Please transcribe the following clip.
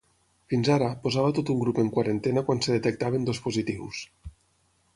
Fins ara, posava tot un grup en quarantena quan es detectaven dos positius.